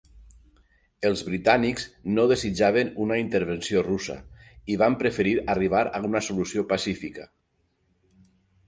Els britànics no desitjaven una intervenció russa, i van preferir arribar a una solució pacífica.